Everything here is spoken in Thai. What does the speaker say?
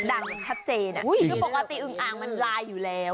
ดังชัดเจนนะเพราะปกติอึงอ่างมันไลน์อยู่แล้ว